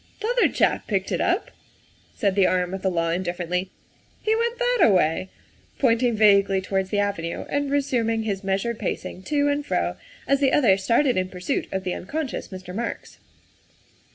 ''" T'other chap picked it up," said the arm of the law indifferently; " he went that a way," pointing vaguely towards the Avenue and resuming his measured pacing to and fro as the other started in pursuit of the unconscious Mr. Marks.